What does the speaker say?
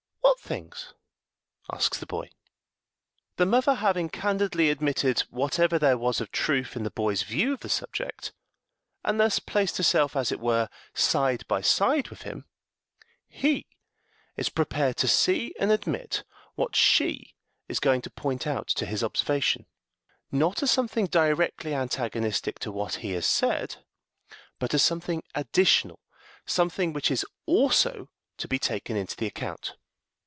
"What things?" asks the boy. The mother having candidly admitted whatever there was of truth in the boy's view of the subject, and thus placed herself, as it were, side by side with him, he is prepared to see and admit what she is going to point out to his observation not as something directly antagonistic to what he has said, but as something additional, something which is also to be taken into the account.